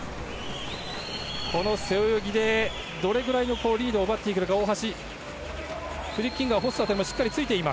この背泳ぎでどれぐらいのリードを奪ってくるか、大橋。